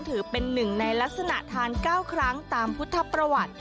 ถือเป็นหนึ่งในลักษณะทาน๙ครั้งตามพุทธประวัติ